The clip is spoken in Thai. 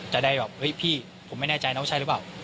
จะได้แบบเฮ้ยพี่ผมไม่แน่ใจน้องใช่หรือเปล่า